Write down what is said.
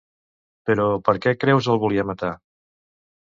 Però per què Creusa el volia matar?